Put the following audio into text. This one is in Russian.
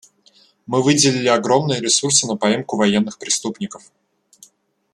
Мы выделили огромные ресурсы на поимку военных преступников.